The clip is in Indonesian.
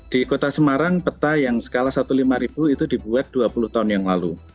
di kota semarang peta yang skala satu lima ribu itu dibuat dua puluh tahun yang lalu